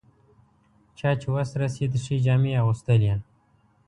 چا چې وس رسېد ښې جامې یې اغوستلې.